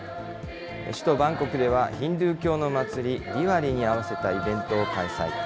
首都バンコクでは、ヒンドゥー教の祭り、ディワリに合わせたイベントを開催。